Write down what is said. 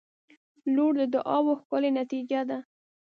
• لور د دعاوو ښکلی نتیجه ده.